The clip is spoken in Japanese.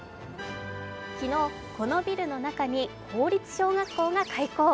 昨日、このビルの中に公立小学校が開校。